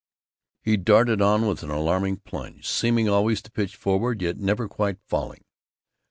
He darted on with an alarming plunge, seeming always to pitch forward yet never quite falling.